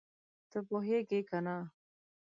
ته پوهېږې که نه؟